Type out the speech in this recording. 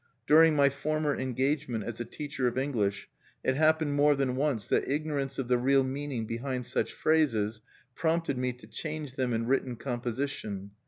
During my former engagement as a teacher of English, it happened more than once that ignorance of the real meaning behind such phrases prompted me to change them in written composition.